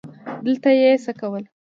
دلته یې څه کول ؟